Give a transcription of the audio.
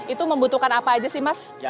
itu membutuhkan apa aja sih mas